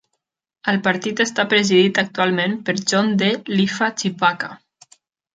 El partit està presidit actualment per John D. Lifa Chipaka.